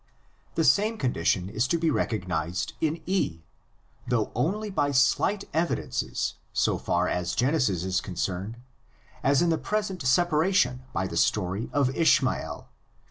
The same condition is to be recognised in E, though only by slight evidences so far as Genesis is concerned, as in the present separation by the story of Ishmael (xxi.